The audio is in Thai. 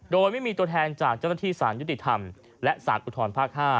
โดยไม่มีตัวแทนจากเจ้าหน้าที่สารยุติธรรมและสารอุทธรภาค๕